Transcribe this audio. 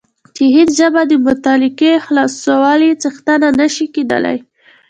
چې هیڅ ژبه د مطلقې خالصوالي څښتنه نه شي کېدلای